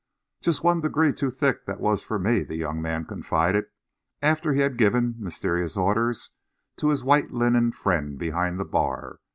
"Just one degree too thick that was for me," the young man confided, after he had given mysterious orders to his white linened friend behind the bar.